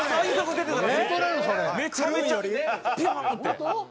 めちゃめちゃビューンって。